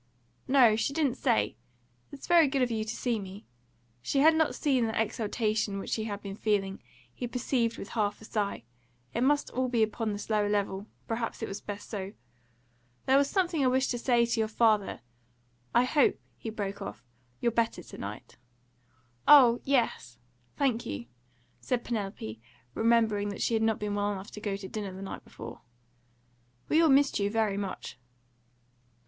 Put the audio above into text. "No, she didn't say. It's very good of you to see me." She had not seen the exaltation which he had been feeling, he perceived with half a sigh; it must all be upon this lower level; perhaps it was best so. "There was something I wished to say to your father I hope," he broke off, "you're better to night." "Oh yes, thank you," said Penelope, remembering that she had not been well enough to go to dinner the night before. "We all missed you very much."